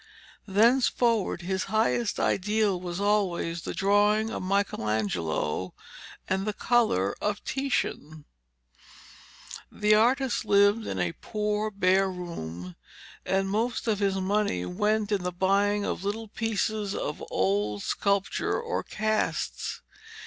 Thenceforward his highest ideal was always 'the drawing of Michelangelo and the colour of Titian. The young artist lived in a poor, bare room, and most of his money went in the buying of little pieces of old sculpture or casts.